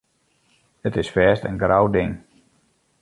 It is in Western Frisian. It is fêst in grou ding.